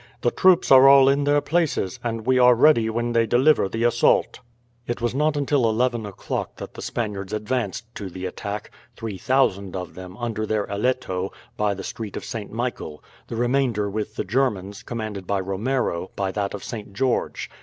"The troops are all in their places, and we are ready when they deliver the assault." It was not until eleven o'clock that the Spaniards advanced to the attack 3000 of them, under their Eletto, by the street of St. Michael; the remainder with the Germans, commanded by Romero, by that of St. George.